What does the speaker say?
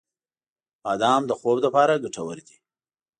• بادام د خوب لپاره ګټور دی.